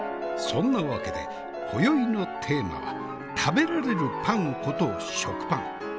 そんなわけで今宵のテーマは食べられるパンこと食パン。